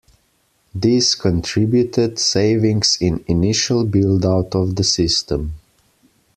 This contributed savings in initial buildout of the system.